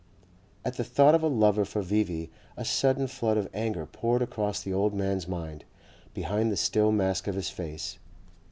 At the thought of a lover for V.V. a sudden flood of anger poured across the old man's mind, behind the still mask of his face.